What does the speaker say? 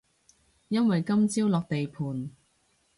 因為今朝落地盤